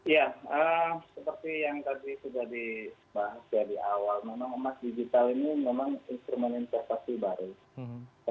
ya seperti yang tadi sudah dibahas ya di awal memang emas digital ini memang instrumen investasi baru